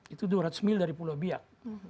itu dua ratus mil dari pulau biak